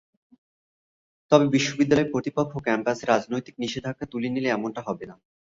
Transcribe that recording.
তবে বিশ্ববিদ্যালয় কর্তৃপক্ষ ক্যাম্পাসে রাজনৈতিক নিষেধাজ্ঞা তুলে নিলে এমনটা হবে না।